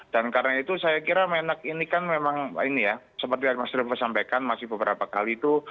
dan karena itu saya kira menak ini kan memang ini ya seperti yang mas driovo sampaikan masih beberapa kali itu